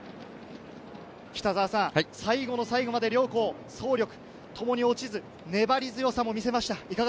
最後の最後まで両校、総力、共に落ちず、粘り強さも見せました。